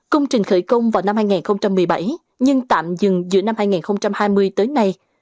công trình khởi công vào năm hai nghìn một mươi bảy nhưng tạm dừng giữa năm hai nghìn hai mươi tới nay